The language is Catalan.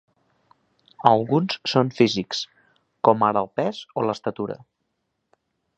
Alguns són físics, com ara el pes o l'estatura.